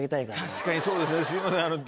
確かにそうですねすいません。